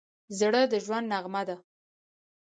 زړه د ژوند نغمه ده.